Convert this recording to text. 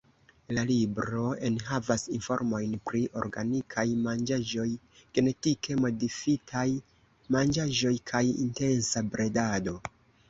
La libro enhavas informojn pri organikaj manĝaĵoj, genetike modifitaj manĝaĵoj kaj intensa bredado.